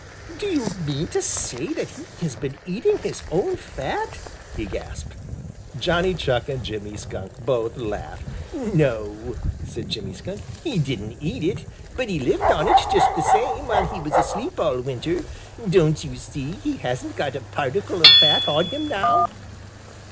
"Do you mean to say that he has been eating his own fat?" he gasped. Johnny Chuck and Jimmy Skunk both laughed. "No," said Jimmy Skunk, "he didn't eat it, but he lived on it just the same while he was asleep all winter. Don't you see he hasn't got a particle of fat on him now?"